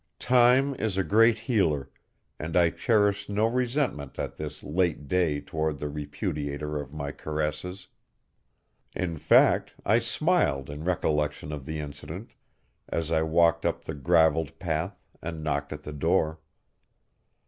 Time is a great healer and I cherished no resentment at this late day toward the repudiator of my caresses. In fact I smiled in recollection of the incident as I walked up the gravelled path and knocked at the door.